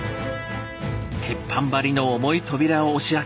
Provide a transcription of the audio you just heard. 鉄板張りの重い扉を押し開け